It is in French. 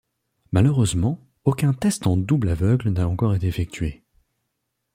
Malheureusement, aucun test en double aveugle n'a encore été effectué.